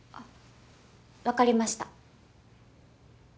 わかりました。